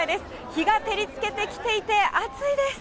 日が照りつけてきていて、暑いです。